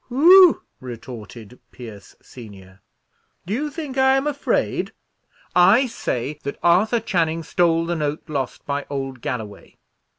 "Whew!" retorted Pierce senior, "do you think I am afraid? I say that Arthur Channing stole the note lost by old Galloway."